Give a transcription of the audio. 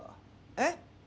えっ？